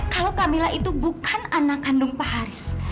kalau camilla itu bukan anak kandung pak haris